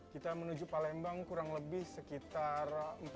kita menuju palembang kurang lebih sekitar empat puluh